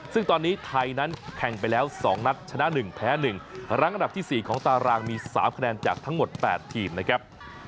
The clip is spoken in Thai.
ซึ่งตอนนี้ไทยนั้นแข่งไปแล้วสองนัดชนะหนึ่งแพ้หนึ่งหลังอันดับที่สี่ของตารางมีสามคะแนนจากทั้งหมดแปดทีมนะครับ